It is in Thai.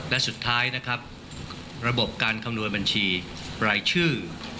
และสุดท้ายนะครับระบบการคำนวณบัญชีรายชื่อ